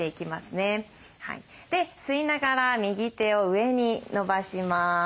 で吸いながら右手を上に伸ばします。